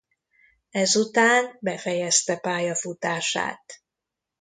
Ezután befejezte pályafutását.